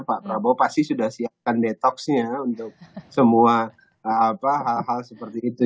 pak prabowo pasti sudah siapkan detoxnya untuk semua hal hal seperti itu